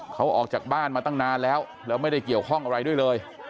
เขาออกจากบ้านมาตั้งนานแล้วแล้วไม่ได้เกี่ยวข้องอะไรด้วยเลย